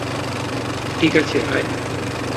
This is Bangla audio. ঠিক আছে, আয়।